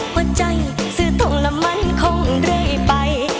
หัวใจซื้อตรงละมันคงเรื่อยไป